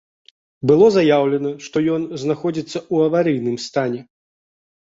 Было заяўлена, што ён знаходзіцца ў аварыйным стане.